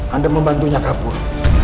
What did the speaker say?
anda membantunya kabur